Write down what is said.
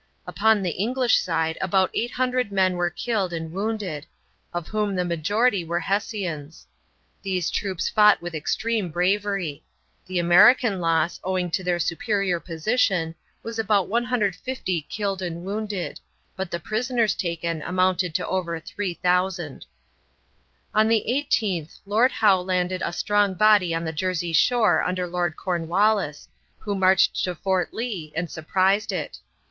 Upon the English side about 800 men were killed and wounded, of whom the majority were Hessians. These troops fought with extreme bravery. The American loss, owing to their superior position, was about 150 killed and wounded, but the prisoners taken amounted to over 3000. On the 18th Lord Howe landed a strong body on the Jersey shore under Lord Cornwallis, who marched to Fort Lee and surprised it.